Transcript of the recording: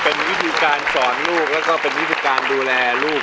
เป็นวิธีการสอนลูกแล้วก็เป็นวิธีการดูแลลูก